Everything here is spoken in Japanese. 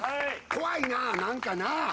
怖いな何かな！